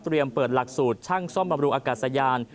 เปิดหลักสูตรช่างซ่อมบำรุงอากาศยาน